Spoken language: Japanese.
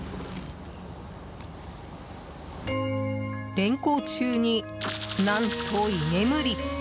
連行中に何と居眠り。